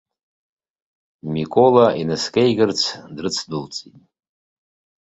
Микола инаскьеигарц дрыцдәылҵит.